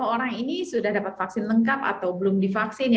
lima orang ini sudah dapat vaksin lengkap atau belum divaksin